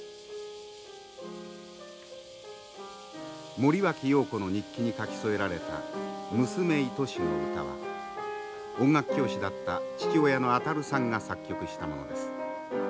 森脇瑤子の日記に書き添えられた「娘愛し」の歌は音楽教師だった父親の中さんが作曲したものです。